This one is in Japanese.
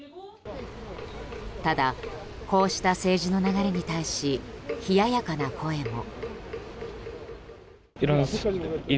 ただ、こうした政治の流れに対し冷ややかな声も。